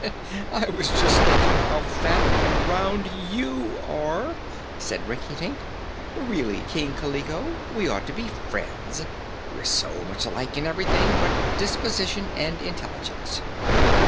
"I was just thinking how fat and round you are," said Rinkitink. "Really, King Kaliko, we ought to be friends, we're so much alike in everything but disposition and intelligence."